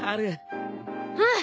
うん！